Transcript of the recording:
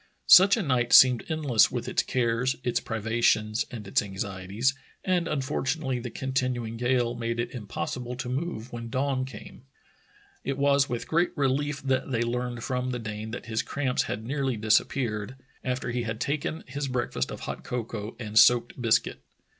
Such a night seemed endless with its cares, its privations, and its anxieties, and unfortu nately the continuing gale made it impossible to move when dawn came. It was with great relief that they learned from the Dane that his cramps had nearly disappeared, after he had taken his breakfast of hot cocoa and soaked biscuit.